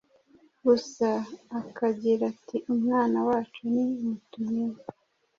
Gusa akagira ati Umwana wacu ni Mutumwinka